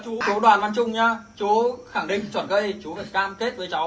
chú bán chú thu tiền bằng thật